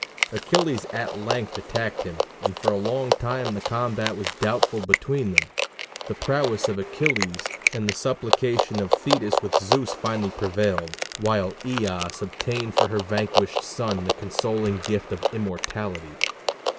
Achilles at length attacked him, and for a long time the combat was doubtful between them: the prowess of Achilles and the supplication of Thetis with Zeus finally prevailed; while Eos obtained for her vanquished son the consoling gift of immortality.